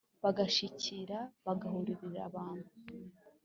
bagashikira: bagahururira. abantu